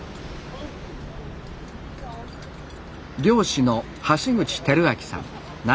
漁師の橋口輝明さん。